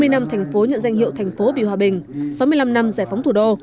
hai mươi năm thành phố nhận danh hiệu thành phố vì hòa bình sáu mươi năm năm giải phóng thủ đô